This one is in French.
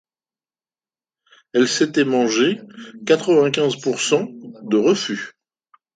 Elle s’était mangé quatre-vingt-quinze pour cent de refus.